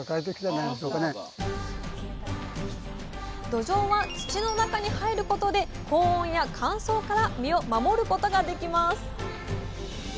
どじょうは土の中に入ることで高温や乾燥から身を守ることができます。